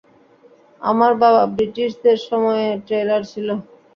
আমার বাবা ব্রিটিশদের সময়ে ট্রেইলার ছিলো।